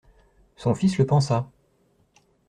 Son fils le pensa.